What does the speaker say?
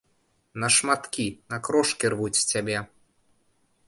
На шматкі, на крошкі рвуць цябе.